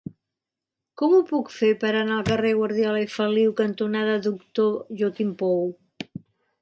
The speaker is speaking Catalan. Com ho puc fer per anar al carrer Guardiola i Feliu cantonada Doctor Joaquim Pou?